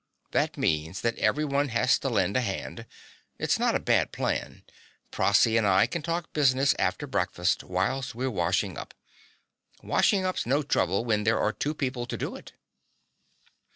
That means that everyone has to lend a hand. It's not a bad plan: Prossy and I can talk business after breakfast whilst we're washing up. Washing up's no trouble when there are two people to do it.